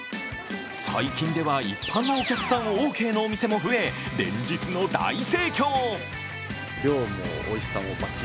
最近では、一般のお客さんオーケーのお店も増え、連日の大盛況。